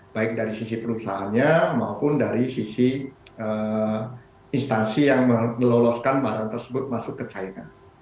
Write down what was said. baik dari sisi perusahaannya maupun dari sisi instansi yang meloloskan barang tersebut masuk ke china